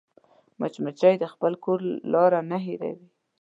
مچمچۍ د خپل کور لار نه هېروي